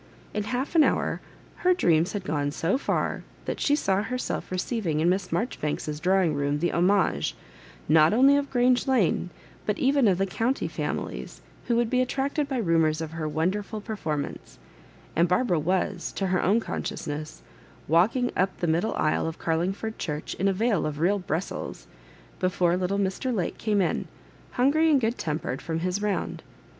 In half an hour her dreams had gone so &r that she saw herself receiving in Miss Maijoribanks's draw ing room the homage, not only of Grange Lane, but even of the county families who would be attracted by rumours of her wonderful perform ance; and Barbara was, to her own conscious ness, walking up the middle aisle of Oarlingford Church in a veil of real Brussels, before little Mr. Lake came in, hungry and good tempered, from his round.